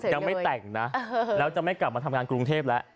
ยังไม่แต่งนะแล้วจะไม่กลับมาทำงานกรุงเทพแล้ว